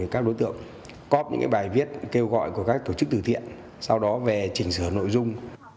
các đối tượng cóp những bài viết kêu gọi của các tổ chức từ thiện sau đó về chỉnh sửa nội dung